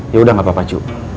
yaudah gak apa apa cuk